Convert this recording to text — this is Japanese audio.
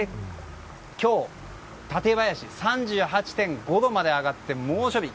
今日、館林３８．５度まで上がった猛暑日。